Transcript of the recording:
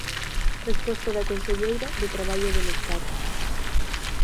Resposta da conselleira de Traballo e Benestar.